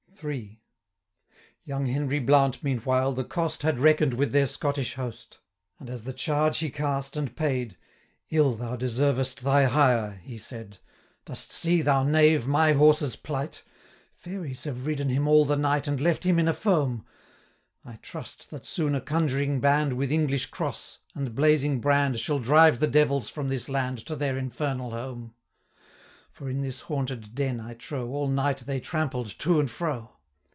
III. Young Henry Blount, meanwhile, the cost 45 Had reckon'd with their Scottish host; And, as the charge he cast and paid, 'Ill thou deservest thy hire,' he said; 'Dost see, thou knave, my horse's plight? Fairies have ridden him all the night, 50 And left him in a foam! I trust, that soon a conjuring band, With English cross, and blazing brand, Shall drive the devils from this land, To their infernal home: 55 For in this haunted den, I trow, All night they trampled to and fro.'